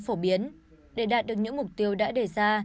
phổ biến để đạt được những mục tiêu đã đề ra